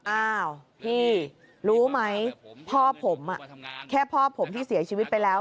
อ้าวพี่รู้ไหมพ่อผมแค่พ่อผมที่เสียชีวิตไปแล้ว